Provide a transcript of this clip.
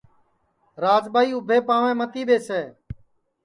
راجٻائی اُٻھے پاںٚوے متی ٻیسے